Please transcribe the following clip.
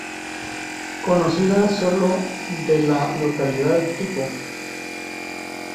Conocida sólo de la localidad tipo.